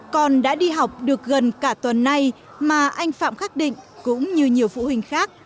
con đã đi học được gần cả tuần nay mà anh phạm khắc định cũng như nhiều phụ huynh khác